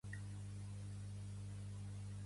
Pertany al moviment independentista la Fausta?